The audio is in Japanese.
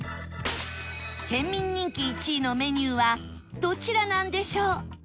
県民人気１位のメニューはどちらなんでしょう？